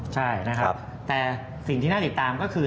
ใช่นะครับแต่สิ่งที่น่าติดตามก็คือ